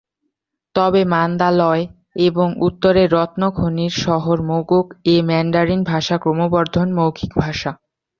তবে মান্দালয় এবং উত্তরের রত্ন খনির শহর মোগোক-এ ম্যান্ডারিন ভাষা ক্রমবর্ধমান মৌখিক ভাষা।